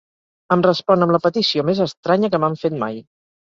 Em respon amb la petició més estranya que m'han fet mai.